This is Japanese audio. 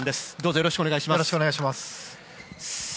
よろしくお願いします。